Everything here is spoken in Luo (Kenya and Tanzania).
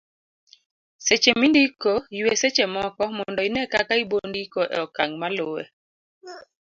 seche mindiko, ywe seche moko mondo ine kaka ibondiko e okang' maluwe